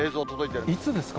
いつですか？